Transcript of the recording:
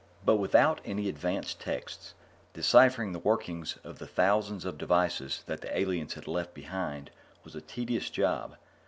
But without any advanced texts, deciphering the workings of the thousands of devices that the aliens had left behind was a tedious job.